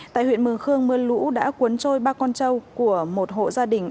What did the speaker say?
tại huyện mường khương mưa lũ đã cuốn trôi ba con trâu của một hộ gia đình